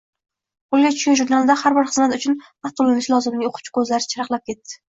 Qoʻliga tushgan jurnalda, har bir xizmat uchun haq toʻlanishi lozimligini oʻqib, koʻzlari charaqlab ketdi.